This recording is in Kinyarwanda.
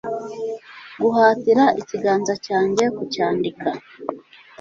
guhatira ikiganza cyanjye kucyandika